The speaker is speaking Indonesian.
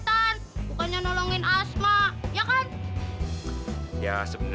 aku ngepaksa paksa kamu